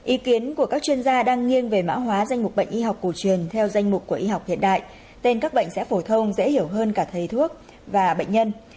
ý kiến của các chuyên gia đang nghiêng về mã hóa danh mục bệnh y học cổ truyền theo danh mục của y học hiện đại tên các bệnh sẽ phổ thông dễ hiểu hơn cả thầy thuốc và bệnh nhân